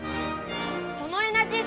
そのエナジー